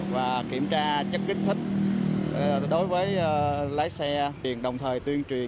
và kiểm tra chất kích thích đối với lái xe tiền đồng thời tuyên truyền